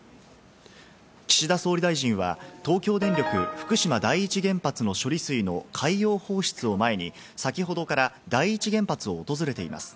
岸田総理大臣は東京電力・福島第一原発の処理水の海洋放出を前に、先ほどから第一原発を訪れています。